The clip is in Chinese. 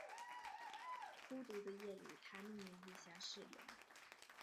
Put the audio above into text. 孤独的夜里他秘密立下誓言